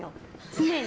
常に。